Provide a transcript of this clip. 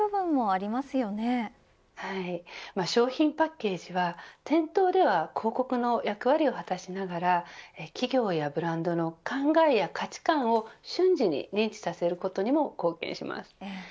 商品パッケージは店頭では広告の役割を果たしながら企業やブランドの考えや価値感を瞬時に認知させることにも貢献します。